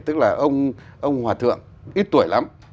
tức là ông hòa thượng ít tuổi lắm